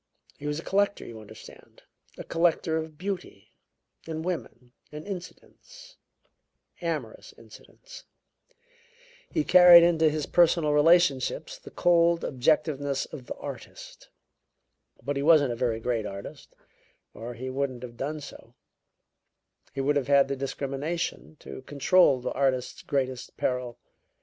He was a collector, you understand, a collector of beauty, and women, and incidents amorous incidents. He carried into his personal relationships the cold objectiveness of the artist. But he wasn't a very great artist, or he wouldn't have done so; he would have had the discrimination to control the artist's greatest peril.